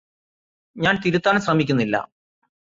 ഞാൻ തിരുത്താൻ ശ്രമിക്കുന്നില്ല.